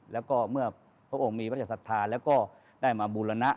แล้วก็เมื่อพระองค์มีพระราชศรัทธาแล้วก็ได้มาบูรณะ